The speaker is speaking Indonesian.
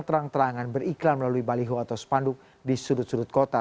terang terangan beriklan melalui baliho atau spanduk di sudut sudut kota